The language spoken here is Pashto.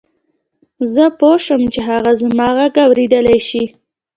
زه پوه شوم چې هغه زما غږ اورېدلای شي